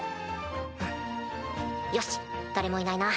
よし誰もいないな。